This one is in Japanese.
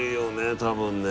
多分ね。